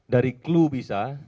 dari clue bisa